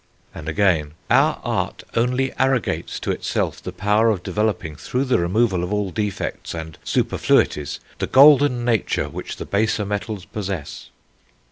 And again: "Our Art ... only arrogates to itself the power of developing, through the removal of all defects and superfluities, the golden nature which the baser metals possess."